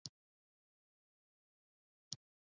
سړه هوا ښکته ځي او ګرمه هوا پورته کېږي.